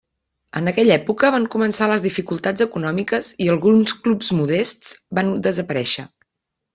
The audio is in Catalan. En aquella època van començar les dificultats econòmiques i alguns clubs modests van desaparèixer.